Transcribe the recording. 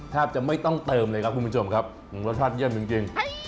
แทบจะไม่ต้องเติมเลยครับคุณผู้ชมครับรสชาติเยี่ยมจริง